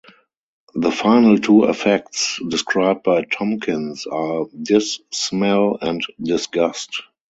The final two affects described by Tomkins are "dissmell" and disgust.